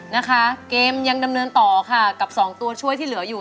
นะคะเกมยังดำเนินต่อค่ะกับสองตัวช่วยที่เหลืออยู่